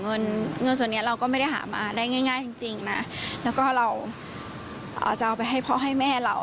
เงินเงินส่วนนี้เราก็ไม่ได้หามาได้ง่ายจริงนะแล้วก็เราจะเอาไปให้พ่อให้แม่เรา